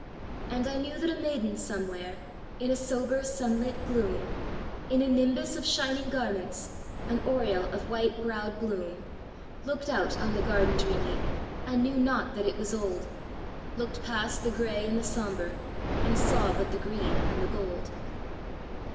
And I knew that a maiden somewhere, In a sober sunlit gloom, In a nimbus of shining garments, An aureole of white browed bloom, Looked out on the garden dreamy, And knew not that it was old; Looked past the gray and the sombre, And saw but the green and the gold.